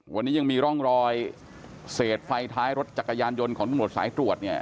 วันนี้ยังมีร่องรอยเศษไฟท้ายรถจักรยานยนต์ของตำรวจสายตรวจเนี่ย